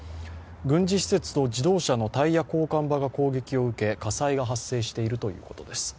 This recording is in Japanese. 軍事施設と自動車のタイヤ交換場が攻撃を受け火災が発生しているということです。